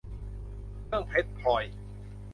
เครื่องเพชรพลอย